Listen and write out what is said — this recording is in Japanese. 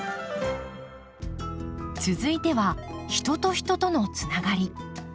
続いては人と人とのつながり。